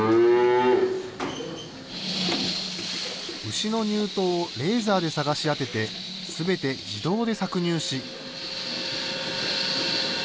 牛の乳頭をレーザーで探し当てて、すべて自動で搾乳し。